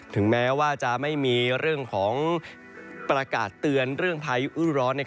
ถึงแม้ว่าจะไม่มีเรื่องของประกาศเตือนเรื่องพายุอื้นร้อน